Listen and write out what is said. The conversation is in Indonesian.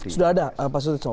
sudah ada apa sudah